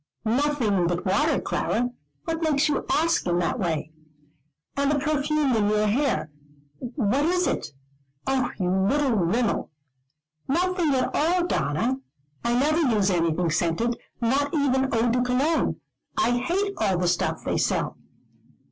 "Nothing but water, Clara; what makes you ask in that way?" "And the perfume in your hair what is it? Oh, you little Rimmel!" "Nothing at all, Donna. I never use anything scented. Not even Eau de Cologne. I hate all the stuff they sell."